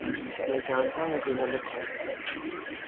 میں جانتا ہوں کہ غلط ہے۔